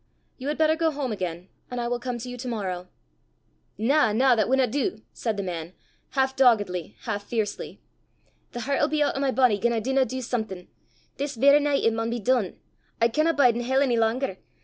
You had better go home again, and I will come to you to morrow." "Na, na, that winna do!" said the man, half doggedly, half fiercely. "The hert 'ill be oot o' my body gien I dinna du something! This verra nicht it maun be dune! I canna bide in hell ony langer.